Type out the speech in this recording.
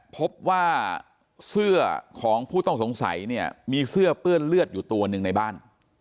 พบว่าเสื้อของผู้ต้องสงสัยเนี่ยมีเสื้อเปื้อนเลือดอยู่ตัวหนึ่งในบ้าน